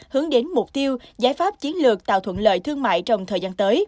hướng đến mục tiêu giải pháp chiến lược tạo thuận lợi thương mại trong thời gian tới